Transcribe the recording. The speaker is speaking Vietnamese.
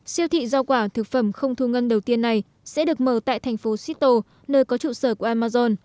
siêu thị rau quả thực phẩm không thu ngân đầu tiên này sẽ được mở tại thành phố sito nơi có trụ sở của amazon